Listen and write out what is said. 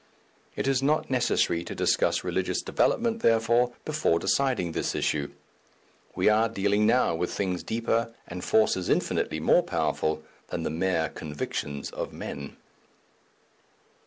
It is not necessary to discuss religious development, therefore, before deciding this issue. We are dealing now with things deeper and forces infinitely more powerful than the mere convictions of men.